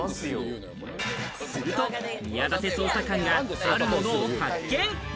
すると宮舘捜査官が、あるものを発見。